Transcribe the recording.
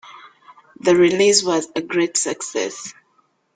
The release was a great success.